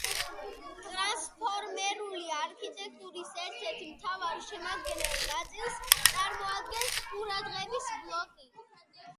ტრანსფორმერული არქიტექტურის ერთ-ერთ მთავარ შემადგენელ ნაწილს, წარმოადგენს ყურადღების ბლოკი